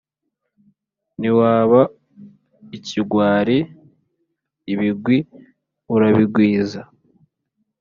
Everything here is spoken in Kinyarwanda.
Ntiwaba ikigwari ibigwi urabigwiza